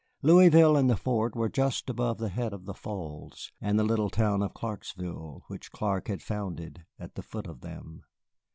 Louisville and the fort were just above the head of the Falls, and the little town of Clarksville, which Clark had founded, at the foot of them.